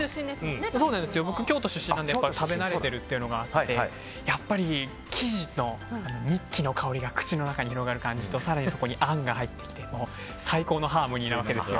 京都出身なので食べ慣れてるというのがあってやっぱり生地とニッキの香りが口の中に広がる感じとそこにあんが入ってきて最高のハーモニーなわけです。